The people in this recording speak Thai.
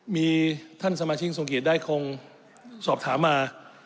มีท่านสมาชิกทรงเกียจได้คงสอบถามมา